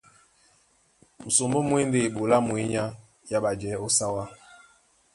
Musombó mú e ndé eɓoló á mwěnyá yá ɓajɛɛ̌ ó sáwá.